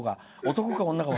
男か女か。